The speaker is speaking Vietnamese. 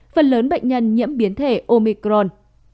phần lớn bệnh nhân nhiễm biến thể omicron